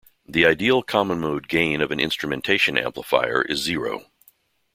The ideal common-mode gain of an instrumentation amplifier is zero.